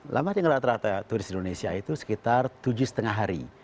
lama dengan rata rata turis di indonesia itu sekitar tujuh lima hari